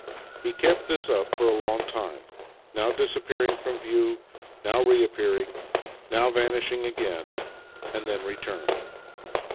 He kept this up for a long time — now disappearing from view, now reappearing, now vanishing again — and then re turned.